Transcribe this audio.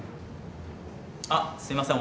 あっすいません